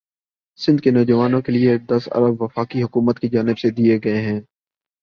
سندھ کے نواجوانوں کے لئے دس ارب وفاقی حکومت کی جانب سے دئے گئے ہیں